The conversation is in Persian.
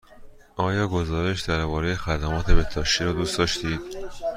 آیا گزارش درباره خدمات بهداشتی را دوست داشتید؟